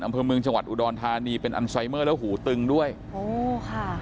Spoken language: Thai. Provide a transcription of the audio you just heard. อำเภอเมืองจังหวัดอุดรธานีเป็นอันไซเมอร์แล้วหูตึงด้วยโอ้ค่ะ